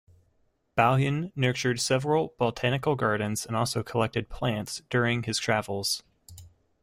Bauhin nurtured several botanic gardens and also collected plants during his travels.